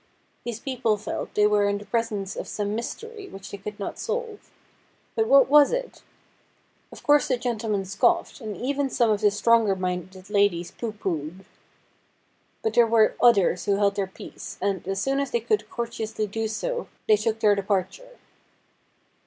These people felt they were in the presence of some mystery which they could not solve. But what was it ? Of course the gentlemen scoffed, and even some of the stronger minded ladies pooh poohed. But there were others who held their peace, and, as soon as they could courte ously do so, they took their departure.